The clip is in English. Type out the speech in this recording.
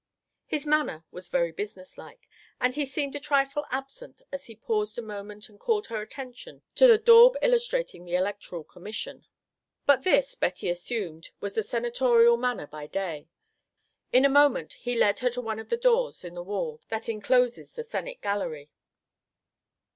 His manner was very businesslike, and he seemed a trifle absent as he paused a moment and called her attention to the daub illustrating the Electoral Commission; but this, Betty assumed, was the senatorial manner by day. In a moment he led her to one of the doors in the wall that encloses the Senate Gallery.